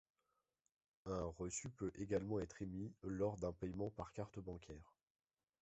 Un reçu peut également être émis lors d'un paiement par carte bancaire.